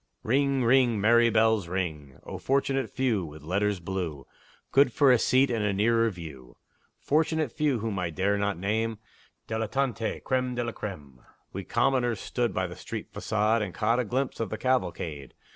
Ring, ring! merry bells, ring! O fortunate few, With letters blue, Good for a seat and a nearer view! Fortunate few, whom I dare not name; Dilettanti! Crême de la crême! We commoners stood by the street façade, And caught a glimpse of the cavalcade.